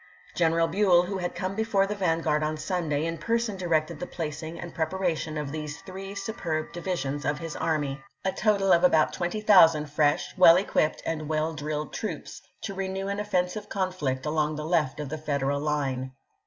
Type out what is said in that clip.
General Buell, who had come before the vanguard on Sunday, in person directed the placing and preparation of these three superb divisions of his army — a total of about twenty 334 ABRAHAM LINCOLN CH. xvrii. thousand fresh, well equipped, and well drilled troops — to renew an offensive conflict along the left of the Federal line.